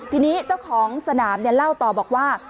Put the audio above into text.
ทีนี้เจ้าของสนามเล่าต่อบอกว่า